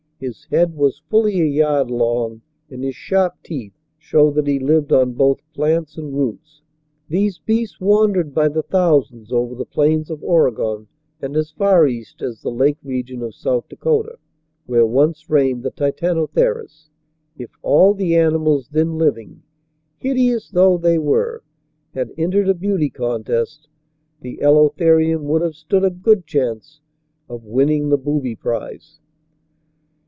His head was fully a yard long and his sharp teeth show that he lived on both plants and roots. These beasts TITAXOTHERES AND OTHERS 107 wandered by the thousands over the plains of Oregon and as far east as the lake region of South Dakota, where once reigned the Titanotheres. If all the animals then living, hideous though they were, had entered a beauty contest, the Elotherium would have stood a good chance of winning the booby prize.